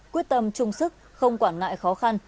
quyết tâm trung sức không quản nại khó khăn